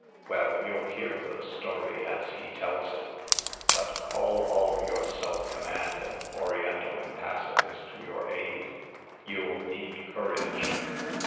Well, youll hear the story as he tells it ; but call all your, self com mand and Oriental impassiveness to your aid. You'll need courage."